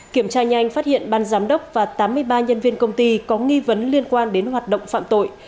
kiểm tra nhanh phát hiện ban giám đốc và tám mươi ba nhân viên công ty có nghi vấn liên quan đến hoạt động phạm tội